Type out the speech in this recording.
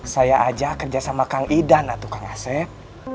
saya aja kerja sama kang idan atuh kang aset